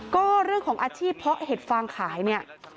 ก็เรื่องของอาชีพเพราะเห็ดฟางขายเนี่ย